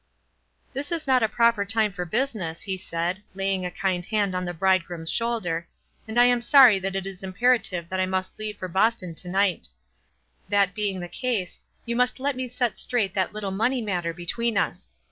"This is not a proper time for business," ho 6aid, laying a kind hand on the bridegroom's shoulder, "and I am sorry that it is imperativo that I must leave for Boston to night ; that be ing the case you must let me set straight that little money matter between us.